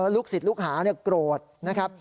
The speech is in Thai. ลูกศิษย์ลูกหาโกรธนะครับ